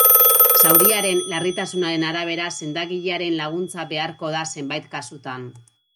Zauriaren larritasunaren arabera sendagilearen laguntza beharko da zenbait kasutan.